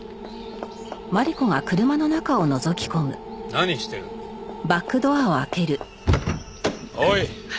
何してる？おい！